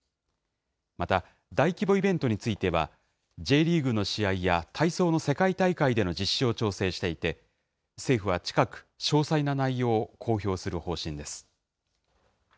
また、大規模イベントについては、Ｊリーグの試合や体操の世界大会での実施を調整していて、政府は近く、詳細な内容を公表する方針です。